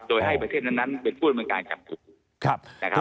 โดยให้ประเทศนั้นเป็นผู้ดำเนินการจับกลุ่มนะครับ